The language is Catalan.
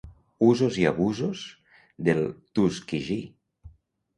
Usos i abusos del Tuskegee.